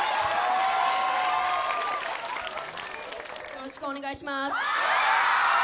よろしくお願いします。